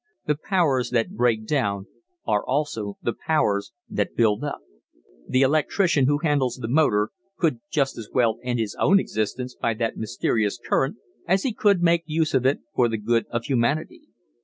The powers that break down are also the powers that build up. The electrician who handles the motor could just as well end his own existence by that mysterious current as he could make use of it for the good of humanity.